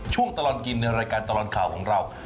ช่วงตลอดกินในรายการตลอดข่าวของเรา